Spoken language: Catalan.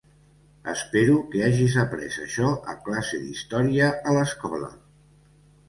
Espero que hagis après això a classe d'història a l'escola.